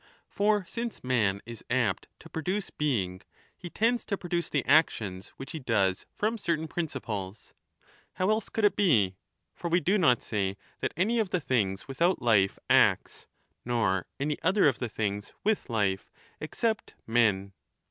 For since man is apt to produce being, he tends 5 to produce the actions which he does from certain prin ciples. How else could it be? For we do not say that any of the things without life acts, nor any other of the things with life, except men.